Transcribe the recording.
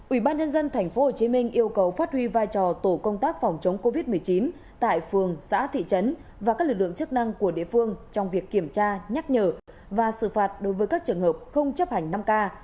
ủy ban nhân dân tp hcm yêu cầu phát huy vai trò tổ công tác phòng chống covid một mươi chín tại phường xã thị trấn và các lực lượng chức năng của địa phương trong việc kiểm tra nhắc nhở và xử phạt đối với các trường hợp không chấp hành năm k